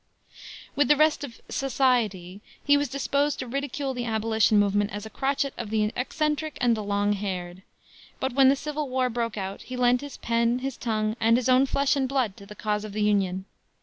'" With the rest of "society" he was disposed to ridicule the abolition movement as a crotchet of the eccentric and the long haired. But when the civil war broke out he lent his pen, his tongue, and his own flesh and blood to the cause of the Union.